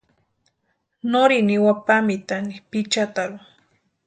Norini niwa pámpitani Pichataru.